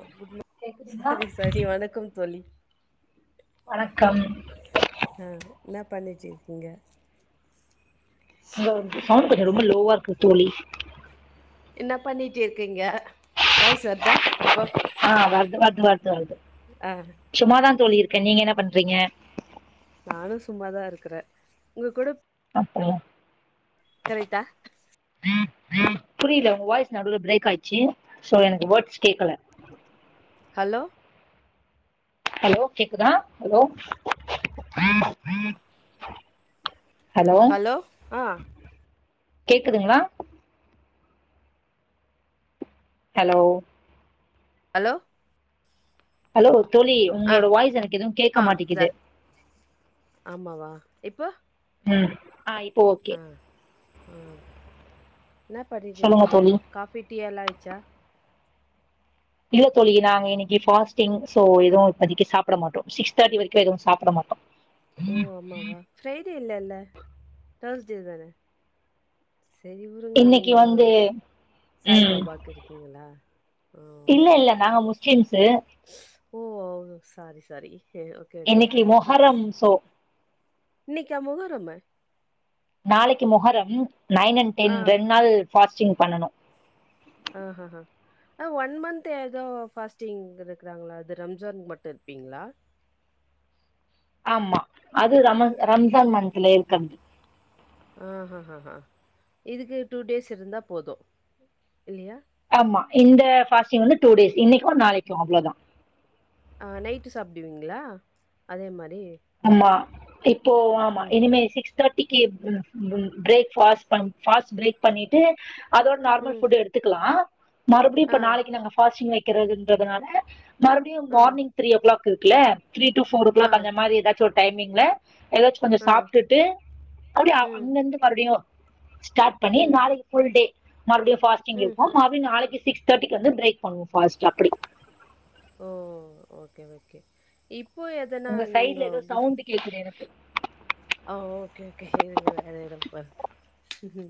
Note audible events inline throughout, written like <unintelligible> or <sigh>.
A good மா கேக்குதுங்களா sorry sorry வணக்கம் தோழி வணக்கம் அ என்ன பண்ணிட்டுருக்கீங்க உங்க சவுண்ட் கொஞ்சே ரொம்ப லோவா இருக்கு தோழி என்ன பண்ணிட்டு இருக்கீங்க வாய்ஸ் வர்தா இப்போ ஆ வர்து வர்து வர்து அ சும்மாதா தோழி இருக்கே நீங்க என்ன பண்றீங்க நானூ சும்மாதா இருக்கிறே உங்க கூட அப்போ கரெக்ட்டா புரியல உங்க வாய்ஸ் நடுவுல பிரேக் ஆயிச்சு சோ எனக்கு வேர்ட்ஸ் கேக்கல ஹலோ ஹலோ கேக்குதா ஹலோ ஹலோ கேக்குதுங்களா ஹலோ ஹலோ ஹலோ தோழி ஆ உங்களோட வாய்ஸ் எனக்கு எதுவு கேட்க ஆ இதா மாட்டிகுது ஆமாவா எப்போ ம் அ இப் அ அ என்ன பண்ணிட்டு சொல்லுங்க இருக்கீங்க தோழி காபி டீ எல்லா ஆய்ச்சா இல்ல தோழி நாங்க இன்னைக்கு பாஸ்ட்டிங் சோ ஏதுவு இப்போதைக்கு சாப்ட மாட்டோ சிக்ஸ் தே்ர்ட்டி வரைக் ஓ ஆமாவா ஃபிரைடே இல்லல்ல தேர்ஸ்டே தான செரி வுருங்க இன்னைக்கு நீங்கோ வந்து ஸ் சாய் ம் பாபாக்கு இருக்கீங்களா அ இல்ல ஓகே இல்ல ஓகே‌ நாங்க இல்லல்ல முஸ்லிம்ஸு நாங்க Muslim oh oh sorry sorry okay okay இன்னைக்கு மொஹரம் சோ இன்னைக்கா மொகரமு நாளைக்கு Muharram nine and ah, ten ரெண்டு நாள் ஃபாஸ்டிங் பண்ணனு ஆஹ் ஆஹ ஆ ஒன் மந்த் ஏதோ ஃபாஸ்டிங் இருக்காங்களா அது ரம்ஜான்கு மட்டு இருப்பீங்களா ஆமா அது ரம ரம்ஜான் மந்த்தல இருக்கிறது ஆஹஹஹா இதுக்கு டூ டேஸ் இருந்தா போது இல்லையா ஆமா இந்த ஃபாஸ்டிங் வந்து டூ டேஸ் இன்னைக்கு நாளைக்கு அவ்ளோதா ஆ நைட்டு சாப்பிடுவீங்களா அதே மாரி ஆமா ப்ரொசீஜர். இப்போ ஆமா ம், இனிமே சிக்ஸ் தேர்டி புட்டிங்கு பிரேக் ஃபாஸ்ட் பண் ஃபர்ஸ்ட் பிரேக் பண்ணிட்டு அதோட நார்மல் ம். ஃபுட் எடுத் எடுத்திகிலா மறுபடியு ஆ, இப்ப நாளைக்கு நாங்க ஃபாஸ்டிங் வைக்கிறதுன்றனால மறுபடியு ஆ, மார்னிங் த்ரீ ஓ கிளாக் இருக்குல த்ரீ டு ஃபர் ஓ ஆ, கிளாக் அந்த மாறி ஏதாச்சு ஒரு டைமிங்ல ஏதாச்சு கொஞ்சோ ஆ. சாப்ட்டுட்டு அப்டிய ம், அங்க அங்க மறுபடியு ஸ்டார்ட் பண்ணி ம், நாளைக்கு ஃபுல் டே மறுபடியு ஃபாஸ்டிங் ம். இருப்போ மறுபடியு நாளைக்கு சிக்ஸ் தேர்டிக்கு வந்து பிரேக் பண்ணுவோ பாஸ்ட்டா அப்புடி ஓ ஓகே ஓகே இப்போ எதனா உங்க நீங்க சைடுல ஏதோ கிஃப்ட் சவுண்ட் கேக்குது எனக்கு ஆ ஓகே ஓகே இருங்க வேற எடோ பாருங்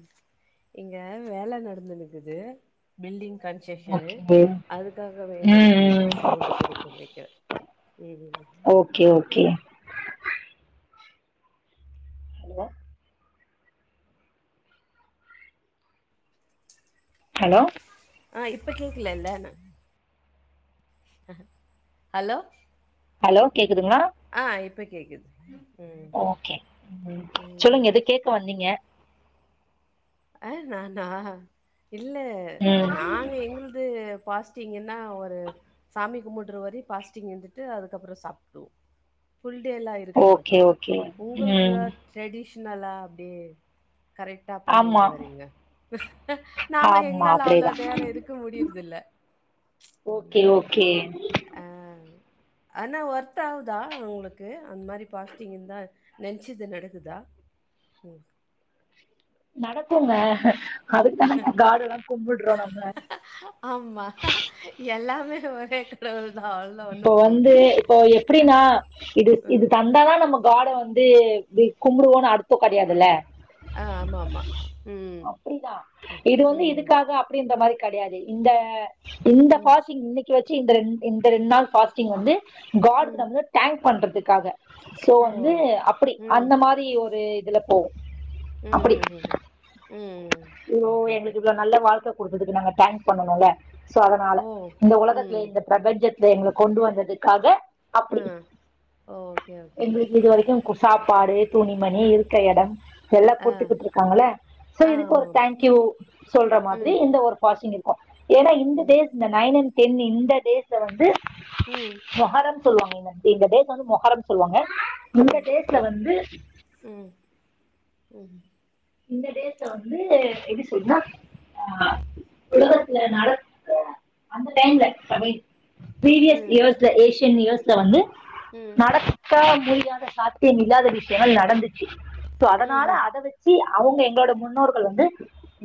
இங்க வேல நடந்துன்னுக்குது பில்டிங் கன்ஸ்ட்ரக்ஷனு ஓகே. அதுக்காக ம், வேண்டி அப்டி ம். சவுண்ட் கொடுக்கு நெனைக்கிற ம் ஓகே, ஓகே. ம் என்ன ஹலோ ஆ இப்ப கேக்கலல்ல ஹலோ ஹலோ கேக்குதுங்களா ஆ இப்ப கேக்குது ம் ஓகே ம் சொல்லுங்க எதோ கேக்க வந்தீங்க ஆ நானா இல்ல ம் நாங்க எங்களுக் வந்து பாஸ்டிங்குன்னா ஒரு சாமி கும்பிட்டுற வரை பாஸ்டிங் இருந்துட்டு அதுக்கப்பறோ சாப்பிடுவோ ஃபுல் டே லா <unintelligible> ஓகே மாட்டா ஓகே உங்களதுல ம் ட்ரெடிஷனலா அப்டியே கரெக்டா ஆமா பண்ணிடுனு வரீங்க நாங்க ஆமா எங்களால அவ்ள அப்டியேதா தேர இருக்க முடியுறதுல்ல ஓகே ஓகே அ ஆனா ஒர்த் ஆகுதா உங்களுக்கு அந் மாரி பாஸ்ட்டிங் இருந்தா நெனைச்சது நடக்குதா ஒங்கு நடக்குங்க அதுக்கு தான ம். ஹார்டெல்லா கும்புட்றோம் நம்ம ஆமா எல்லாமே ஒரே லெவல் தால் இப்போ வந்து இப்போ எப்புடின்னா இது இது ம். தந்தாதான் நம்ம ஹாட வந் தே கும்புடுவோன் அர்த்தம் கெடையாதுல்ல ஆ ஆமா ஆமா ம் ம் ம் அப்புடி இந்த மாரி கெடையாது இந்த இந்த ம். ஃபாஸ்டிங் இன்னைக்கு வச்சி இந்த இந்த ரெண்டு நாள் பாஸ் டிங் வந்து ஹார்டு கிட்ட ம். வந்து தேங்க் பண்றதுக்காக சோ ஓ! வந்து அப்புடி ம். அந்த மா பொயி ஒரு இதுல போகும் அ ம் அப்படி ம் ம் ஐயோ ஓகே ஓகே எங்களுக்கு நல்ல வாழ்க்கை கொடுத்ததுக்கு இவ்வளவு நல்ல வாழ்க்க குடுக்கதுக்கு நம்ம தேங்க்ஸ் பண்ணனோல சோ அதனால ஓ! இந்த ம். ஒலகத்தல இந்த பிரபஞ்சத் இத எங்கள கொண்டு வந்ததுக்காக அப் ஆ ஓகே ஓகே. எங்க வீட்டுல இது வரைக்கு சாப்பாடு துணிமணி இருக்க எடம் எல்லா ஆ. கூட்டுக்கிட்டு இருக்காங்கள ஆ, சேரி இதுக்கு ஒரு ஆமாம். தேங்க்யூ சொல்ற மாதிரி ம். இந்த ஒரு பாஷிங் இருக் ஏனா இந்த ம். டேஸ் இந்த நைன் அண்ட் டேனு இந்த டேஸ்ல வந்து ம். மொகரம் சொல்லுவாங்க இந்த டேஸ் வந்து மொகரம் சொல்லுவாங்க ஆ. இந்த டேஸ்ல வந்து ம் ம் இந்த டேஸ்ல வந்து எப்டி சொல்னா ஆ உலகத்துல நடக்க அந்த டைம்ல <unintelligible> ப்ரீவியஸ் ம். இயர்ஸ்ல ஏசியன் இயர்ஸ்ல வந்து ம். நடக் க முடியாத சாத்தியம் இல்லாத விஷயங்கள் நடந்துச்சு சோ அதனால ம்ஹ்ம். அத வச் சி அவுங்க எங்ளோட முன்னோர்கள் வந்து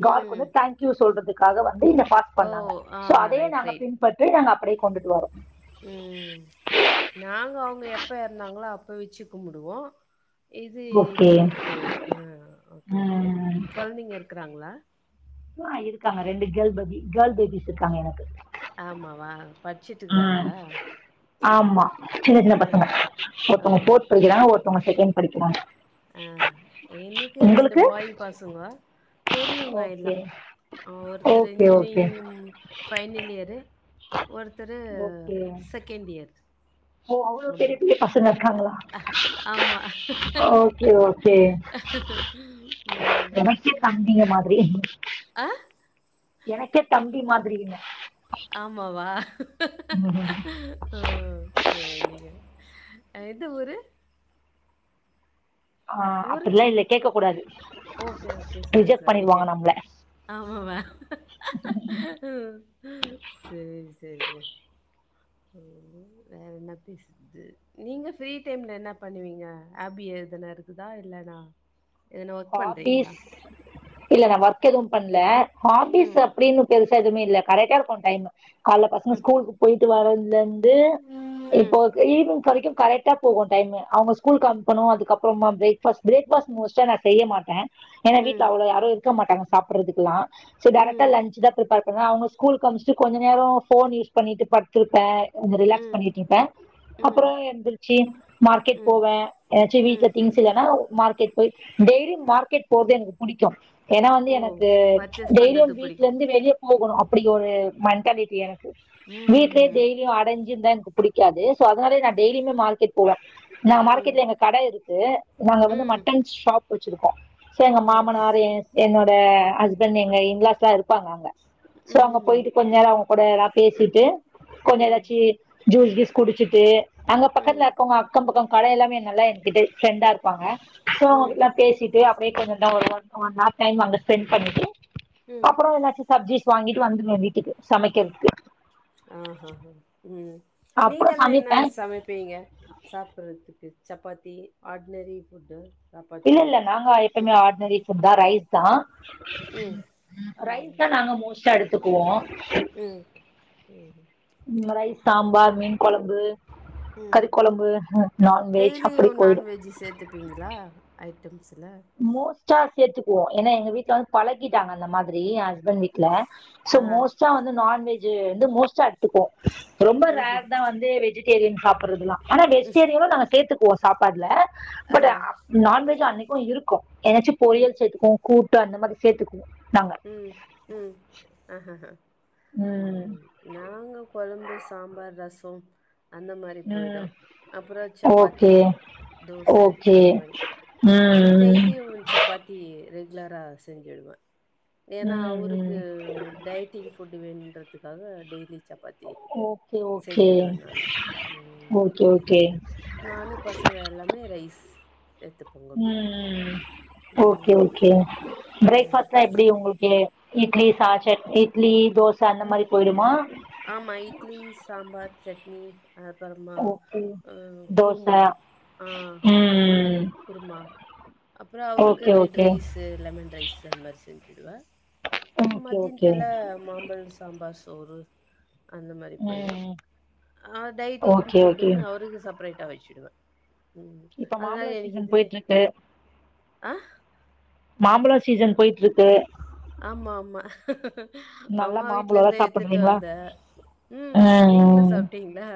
ம். ஹாட்கு வந்து ம் தேங்க்யூ சொல்றதுக்காக வந்து இந்த பாஸ் ஓ! பண்ணாங்க ஆ சோ அதையே ரைட், நாங்க ரைட். பின்பற்று நாங்க அப்டியே கொண்டுட்டு வாரோ ம் நாங்க அவுங்க எப்போ எறந்தாங்களோ அப்போ வச்சி கும்புடுவோ இது ஓகே இப்டி இருக்கு ம் ஓகே ஓகே. கொழந்தைங்க இருக்கறாங்களா ஆ இருக்காங்க ரெண்டு கேர்ள் பேபி கேர்ள் பேபிஸ் இருக்காங்க எனக்கு ஆமாவா படிச்சுட்ருக்காங்களா ஆமா ஜின்ன ஜின்ன பசங்க ஓ ஒருத்தவங்க ஃபோர்த் ஓகே. படிக்கறாங்க ஒருத்தவங்க செகண்ட் படிக்கறாங்க ஆ எனக்கு ரெண்டு பாய் பசங்கோ பெரியவங்க எல்லா ஓகே ஆ ஒருத்தர் okay okay engineering final year ஒருத்தரு ஓகே செகண்ட் இயர் ஓ அவ்ளோ அப்படி. பெரிய பெரிய பசங்க இருக்காங்கலா ஆமா. ஓகே ஓகே ம். எனக்கே தம்பிங்க மாதிரி அ எனக்கே தம்பி மாதிரின்ன ஆமாவா ஓ சேரிங்க அ எந்த ஊரு ஆ ஊரு? அப்டில்லா இதுல கேக்க கூடாது okay, okay. Sorry, reject sorry. பண்ணிருவாங்க நம்ள ஆமாவா சேரி சேரிங்க ம் வேற என்ன பேசு நீங்க ஃப்ரீ டைம்ல என்ன பண்ணுவீங்க ஆபி எதனா இருக்குதா இல்லனா எதனா ஒர்க் பண்றீங்களா? ஹாபீஸ் இல்ல நா ஒர்க் எதும் பண்ல ஹாபீஸ் ம். அப்டின்னு பெருசா எதுவுமே இல்ல கரெக்டா இருக்கூ டைமு கால்ல பசங்க ம். ஸ்கூலுக்கு போய்ட்டு வரதுல இருந் து இப்போ ம். ஈவினிங் வரைக்கு கரெக்டா போகு டைம்மு அவுங்க ஸ்கூல்க்கு அனுப்பனு அதுக்கப்புறமா பிரேக் ஃபாஸ்ட் பிரேக் ஃபாஸ்ட் மோஸ்ட்டா நா செய்ய மாட்டே ஏன்னா வீட்ல ம். அவ்ளோ யாரு இருக்க மாட்டாங்க சாப்ட்றதுக்குல்லா சோ ம். டேரக்டா லஞ்சு தா பிரிப்பேர் ஏன்னா அவுங்க ஸ்கூல்க்கு அனுப்சிட்டு கொஞ்ச நேரோ ஃபோன் யூஸ் பண்ணிட்டு படுத்திருப்பே கொஞ்சோ ரிலாக்ஸ் ம் பண்ணிட்டிருப்பே ம் அப்புறோ எந்திரிச்சு மார்க்கெட் ம் போவே ஏதாச்சு வீட்ல ம் திங்ஸ் இல்லனா மார்க்கெட் போய் டெய்லி மார்க்கெட் போறது எனக்கு புடிக்கூ ஏன்னா வந்து ஓ எனக்கு பர்ச்சேஸ் டெய்லி பண்றது அந்த வீட்ல புடிக்கு இருந்து வெளியே போகணு அப்டி ஒரு மென்டாலிட்டி எனக்கு ம்ஹ்ஹும் வீட்லையே டெய்லி அடஞ்சிருந்தா எனக் புடிக்காது சோ அதனால நா டெய்லியுமே மார்கெட் போவே நா ம் ம் ம் மார்கெட்ல எங்க கட இருக்கு நாங்க வந்து ம் மட்டன் ஷாப் வச்சிருக்கோ சோ ஓ எங்க ஓகே மாமனாரு என்னோட ஹஸ்பண்ட் எங்க இன்லாஸ்லா இருப்பாங்க அங்க சோ அங்க ம்ஹ்ஹும் போய்ட்டு கொஞ் ச நேரோ அவுங்க கூட எல்லா பேசிட்டு கொஞ்சோ ம் எதாச்சி ஜுஸ் கீஸ் குடிச்சிட்டு அங்க பக்கத்துல ம் இருக்கவுங்க அக்கம் பக்கம் கட எல்லாமே நல்லா என்கிட்ட ஃப்ரெண்டா இருப்பாங்க சோ ம் அவுங்க பேசிட்டு அப்டியே கொஞ்ச <unintelligible> ஒன் ஆர் டைம் அங்க ஸ்பெண்ட் பண்ணிட்டு ம் அப்புறோ எதாச்சு சப்ஜிஸ் வாங்கிட்டு வந்துருவே வீட்டுக்கு சமைக்கறதுக்கு ஆஹா ஹா ம் நீங்க அப்றோ எல்லா என்ன சமைப்பே சமைப்பீங்க சாப்பட்றதுக்கு சப்பாத்தி ஆட்னரி ஃபுட்டு சப்பாத்தி இல்லல்ல நாங்க எப்பவுமே ம் ஆட்னரி ஃபுட் தா ரைஸ் ப்பா ம் ம் ரைஸ்தா நாங்க மோஸ்டா எடுத்துக்குவோ ம் ம்ஹு ரைஸ் சாம்பார் மீன் கொழம்பு ம் கறி கொழம்பு நான்வெஜ் அப்டி போயிடு வெஜ்ஜி சேத்துப் பீங்களா ஐட்டம்ஸ்ல மோஸ்ட்டா சேத்துக்குவோ ஏன்னாங்க எங்க வீட்ல வந்து பழக்கிட்டாங்க அந்த மாதிரி பண்ணிக்ல சோ மோஸ்ட்டா வந்து நான்வெஜ்ஜீ வந்து மோஸ்டா க்வோ ரொம்ப ரேர் தா வந்து வெஜிடேரியன் சாப்பறதுலா ஆனா வெஜிடேரியனும் நாங்க சேத்து போ சாப்பாட்ல பட் நான்வெஜ் அன்னைக்கூ இருக்கூ என்னாச்சும் பொரியல் சேத்துப்போ கூட்டு அந்த மாரி சேத்துக்குவோ நாங்க ம் ம் அஹஹ ம் நாங்க கொழம்பு சாம்பார் ரசொ அந்த மாரி போய்டு ம். அப்றொ சப்பாத்தி ஓகே. தோச ஓகே. அந்த மாரி ஆனா ம். டெய்லி ஒரு சப்பாத் த்தி ரெகுலரா செஞ்சுடுவ ம். ஏன்னா ம். அவருக்கு ம். டைட்டிங் ஃபுட்டு வேணுன்றதுக்காக டெய்லி சப்பாத்தி ஓகே ஓகே செஞ்சுடுவேன் நானு. ம். ஓகே ஓகே நானு பசங்க எல்லாமே ரைஸ் எடுத்துப்போங்க அப்டி. ம் ஓகே ம் ஓகே ம் பிரேக்ஃபாஸ்ட் லா ஃபஸ் எப்டி உங்ளுக்கு இட்லி சா சட் இட்லி தோச அந்த ம் மாரி போயிடுமா ஆமா இட்லி சாம்பார் சட்னி அப்பறமா ஓகே குருமா தோசை ஆ அந்த மாரி ம் குருமா அப்றொ அவருக்கு okay red okay rice lemon rice அந்த மாரி செஞ்சுடுவ ஓகே ஓகே மத்தியன்த்துல மாம்பழ சாம்பார் சோறு அந்த மாரி போயிறு ம் அ டைட்டிங் ஓகே ஓகே ஃபுட்டுனு அவருக்கு சப் ப்ரேட்டா வச்சடுவ இப்போ அதனால மாம்பழ எனக்கு சீசன் இதுலே போயிட்டு இருக்கு அ மாம்பழ சீசன் போயிட்ருக்கு ஆமா ஆமா நல்லா அம்மா வீட்லருந்து மாம்பழம்லாம் எத்துட்டு சாப்பிடுறீங்களா வந்த ம் நீங்ளு சாப்டீங்களா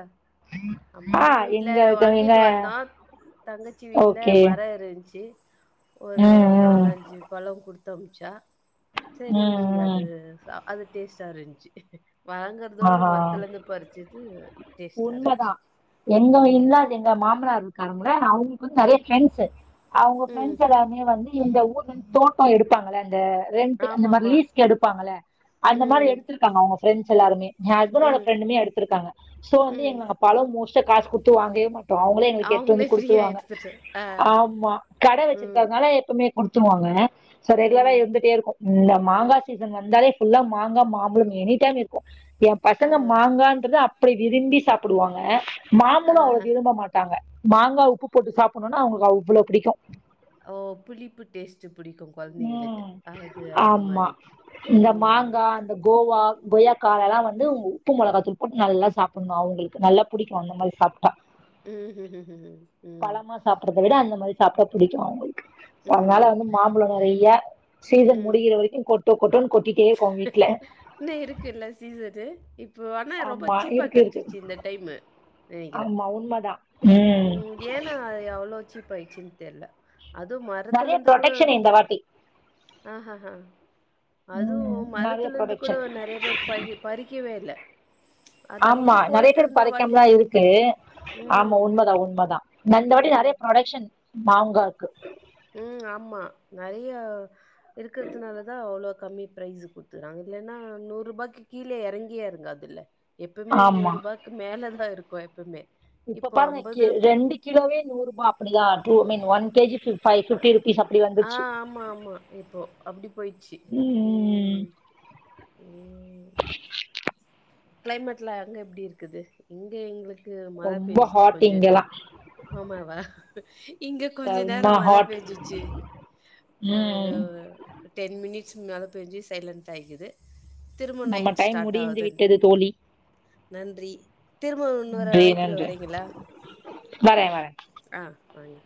ஆ அம்மா வீட்ல எங்க எங்க வாங்கிட்டு வந்தோ தங்கச்சி வீட்ல ஓகே மரொ இருந்ச்சு ஒரு ம் ம் நாலஞ்சு பழொ குடுத்தமுச்சா செரி ம் அது ம் அது டேஸ்ட்டா இருந்ச்சு வாங்க ஆஹா இதோடமரத்துல இருந்து பறிச்சது உண்மதா டேஸ்ட்டாருன்ச்சு எங்க இல்லாது எங்க மாமனார் இருக்காங்கல அவங்களுக்கு வந்து நெறைய ம் ஃப்ரெண்ட்ஸு அவங்க ம் ஃப்ரெண்ட்ஸு எல்லாருமே வந்து இந்த ஊர்லந்து தோட்டோ எடுத்தாங்கல அந்த ரெண்ட் அந்த மாரி ஆமாம்மா லீஸ்க்கு எடுப்பாங்கள அந்த மாரி ம் எடுத்துருக்காங்க அவங்க ஃப்ரெண்ட்ஸ் எல்லாருமே எ ஹஸ்பண்டோட ம் ஃப்ரெண்டுமே எடுத்துருகாங்க ஸோ வந்து ம் எங் பழொ மோஸ்ட்டா காசு கொடுத்து வாங்கவே மாட் அவங்களே எங்களுக்கு எத்து அவங்களே வந்து ஃப்ரீயாக குடுத்துருவாங்க எடுத்துட்டு ஆ ஆமா கட ம் வச்சிருக்கதனால எப்பமே கொடுத்துவாங்க ஸோ ரெகுலரா ம் இருந்துட்டேருக்கு இந்த மாங்கா சீசன் வந்தாலே ஃபுல்லா மாங்க மாம்பழம் எனி டைம் இருக்கு எ ஆ பசங்க மாங்கான்றது அப் புடி விரும்பி சாப்புடுவாங்க மாம்பழோ அவ்ளோ ஆஹா விரும்ப மாட் டாங்க மாங்கா உப்பு போட்டு சாப்புனுனா அவுங்ளுக்கு அவ்ளோ புடிக்கு ஓ புளிப்பு டேஸ்ட்டு புடிக்கு ம் ஆமா இந்த ம். மாங்கா இந்த கோவா கொய்யாக்கா அதலா வந்து உப்பு மொளகாத்தூள் போட்டு நல்லா சாப்புனு அவுங்ளுக்கு நல்லா புடிக்கு அந்த மாரி சாப்டா ம்ஹ்ஹ்ஹ்ம். ம். பழமா சாப்புடுறத விட அந்த மாரி சாப்ட புடிக்கு அவங்களுக்கு அதனால ம். வந்து மாம்பழ நெறையா சீசன் ம். முடிகிற வரைக்கு கொட்டோ கொட்டோன் கொட்டிட்டே இருக்கு அவங்க வீட்ல இன்னு இருக்குல்ல சீசனு இப்போ ஆனா ரொம்ப ஆமா சீப்பா இருக்கு இருக்கு கெடைச்சிச்சு இந்த டைமு நெனைக்கிறே ஆமா உண்மதா ம் ஏனா அது எவ்ளோ சீப்பாயிச்சுனு தெரில அது நெறைய மரத்துல இந்து கூட ப்ரொடெக்ஷன் இந்த வாட்டி அஹஹ அதுவு ம் நெறைய மரத்துல இருந்து ப்ரொடெக்ஷன் கூட நறைய பேர் பறி பறிக்கவே இல்ல அந்த ஆமா பக்கம் நறையா போயிட்டு பேர் இருந்தா வழி பறைக்காம தா இருக்கு ஆமா ம். உண்மதா உண்மதா இந்த வாட்டி ம். நறையா ப்ரொடக்க்ஷன் மாங்காக்கு ம் ஆமா நறையா இருக்குறதுனால தா அவ்ளோ கம்மி பிரைஸ் கொடுத்துறாங்க இல்லனா நூறு ரூபாக்கு கீழ எறங்கியே எறங்காதுல எப்போமே நூறு ஆமா ரூபாக் க்கு மேல தா இருக்கு எப்பமே இப்ப பாருங்க கி ரெண்டு கிலோவே நூறுபா அப்பிடியா டூ மீன் ஒன் கேஜி பிஃப் ஃபை ஃபிப்டி ருபீஸ் அப்டி ஆ வந்துச்சு ஆமா ஆமா இப்போ அப்படி போயிடுச்சு ம் ம் ம் <inaudible> ம் கிளைமேட்லா அங்க எப்டி இருக்குது இங்க எங்களுக்கு மழ ரொம்ப பேய்சுச்சு ஹாட் கொஞ்சோ என இங்கெல்லா ஆமா வா இங்க கொஞ்சோ செம்ம நேரோ மழ ஹாட் பெய்சுச்சு ஒரு ம் டென் மினிட்ஸ் மேல பேஞ்சு சைலண்டா ஆயிகிது திரும்ப நைட் ஸ்டார்ட் ஆகுது ஏ தோழி நன்றி திரும்பவு இன்னொரு நன்றி அழைப்புல நன்றி வரீங்களா வரே வரே ஆ வாங்க